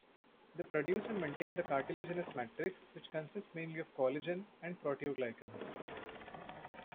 They produce and maintain the cartilaginous matrix, which consists mainly of collagen and proteoglycans.